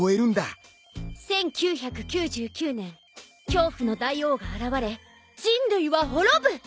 「１９９９年恐怖の大王が現れ人類は滅ぶ！」